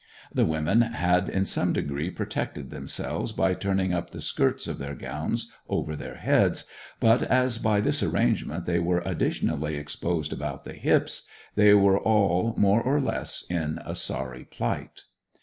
The women had in some degree protected themselves by turning up the skirts of their gowns over their heads, but as by this arrangement they were additionally exposed about the hips, they were all more or less in a sorry plight.